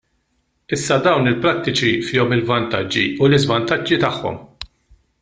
Issa dawn il-prattiċi fihom il-vantaġġi u l-iżvantaġġi tagħhom.